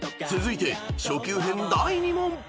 続いて初級編第２問］